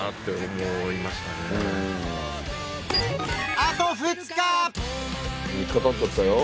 あと２日３日経っちゃったよ。